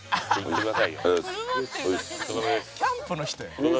「キャンプの人やん」